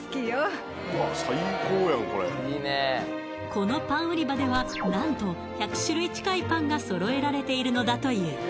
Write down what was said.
このパン売り場では何と１００種類近いパンが揃えられているのだという